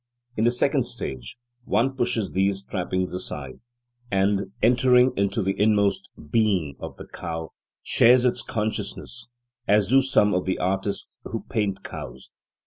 In the second stage, one pushes these trappings aside and, entering into the inmost being of the cow, shares its consciousness, as do some of the artists who paint cows.